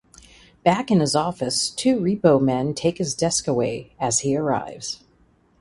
Back in his office two repo men take his desk away as he arrives.